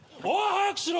早くしろ！